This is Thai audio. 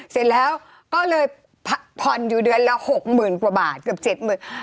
เสร็จแล้วก็เลยผ่อนอยู่เดือนละ๖๐๐๐กว่าบาทเกือบเจ็ดหมื่น